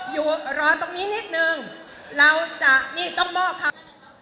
อยู่รอตรงนี้นิดนึงเราจะนี่ต้องมอบครับ